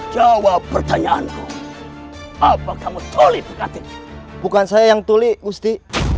jawab pertanyaanku apa kamu tuli berkati bukan saya yang tuli gusti